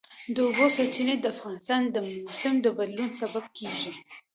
د اوبو سرچینې د افغانستان د موسم د بدلون سبب کېږي.